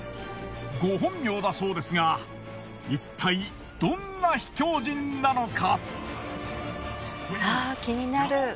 ご本名だそうですがいったいどんな秘境人なのか？